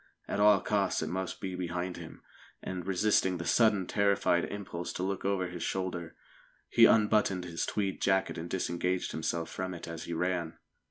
At all costs it must be behind him, and, resisting the sudden terrified impulse to look over his shoulder, he unbuttoned his tweed jacket and disengaged himself from it as he ran.